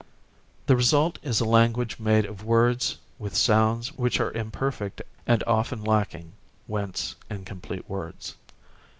The result is a language made of words with sounds which are imperfect and often lacking (whence incomplete words).